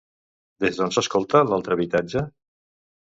Des d'on s'escolta l'altre habitatge?